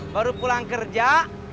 baru pulang kerja